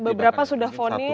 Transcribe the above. betul beberapa sudah fonis